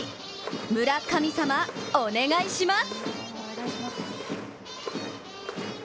村神様、お願いします！